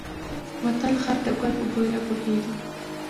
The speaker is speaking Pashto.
متل: خر د ګل په بوی نه پوهېږي.